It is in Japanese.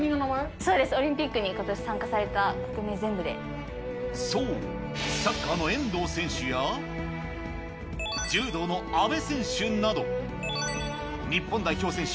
そうです、オリンピックにこそう、サッカーの遠藤選手や、柔道の阿部選手など、日本代表選手